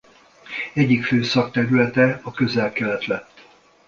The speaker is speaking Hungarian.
Egyik fő szakterülete a Közel-Kelet lett.